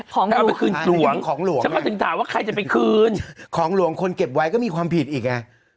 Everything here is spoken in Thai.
ของหลวงของหลวงของหลวง